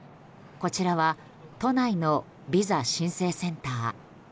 こちらは都内のビザ申請センター。